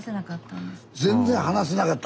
全然話せなかった。